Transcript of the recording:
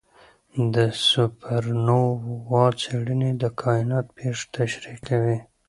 د سوپرنووا څېړنې د کائنات پېښې تشریح کوي.